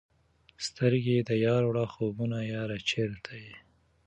سترګي د یار وړه خوبونه یاره چیرته یې؟